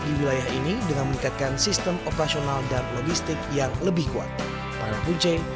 di wilayah ini dengan meningkatkan sistem operasional dan logistik yang lebih kuat para punce